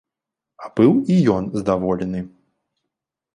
А быў і ён здаволены.